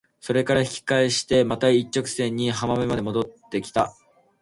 それから引き返してまた一直線に浜辺まで戻って来た。